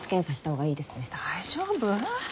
大丈夫？